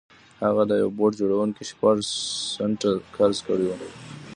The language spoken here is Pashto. هغه له یوه بوټ جوړوونکي شپږ سنټه قرض کړي وو